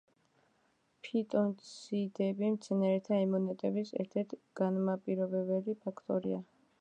ფიტონციდები მცენარეთა იმუნიტეტის ერთ-ერთი განმაპირობებელი ფაქტორია.